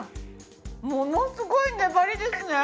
ものすごい粘りですね。